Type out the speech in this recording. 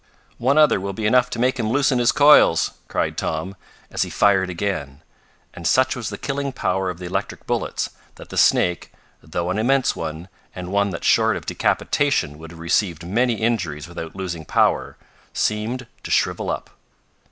"One other will be enough to make him loosen his coils!" cried Tom, as he fired again, and such was the killing power of the electric bullets that the snake, though an immense one, and one that short of decapitation could have received many injuries without losing power, seemed to shrivel up.